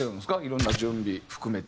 色んな準備含めて。